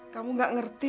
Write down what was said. kamu nggak peduli